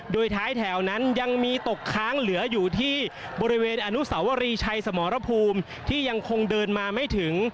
โดยท้ายแถวนั้นยังมีตกค้างเหลืออยู่ที่บริเวณอนุสาวรีชัยสมรภูมิที่ยังคงเดินมาไม่ถึง